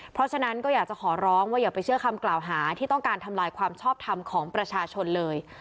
เพราะฉะนั้นก็อยากจะขอร้องว่าอย่าไปเชื่อคำกล่าวหาที่ต้องการทำลายความชอบทำของประชาชนเลย